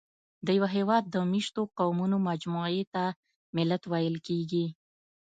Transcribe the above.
د یوه هېواد د مېشتو قومونو مجموعې ته ملت ویل کېږي.